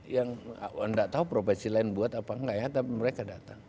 yang tidak tahu profesi lain buat apa enggak ya tapi mereka datang